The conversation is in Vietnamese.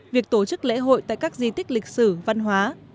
việc tổ chức lễ hội tại các di tích lịch sử văn hóa